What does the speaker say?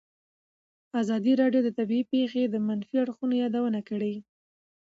ازادي راډیو د طبیعي پېښې د منفي اړخونو یادونه کړې.